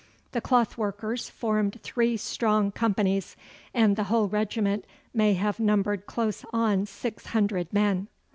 The clothworkers formed three strong companies, and the whole regiment may have numbered close on six hundred men.